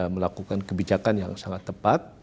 melakukan kebijakan yang sangat tepat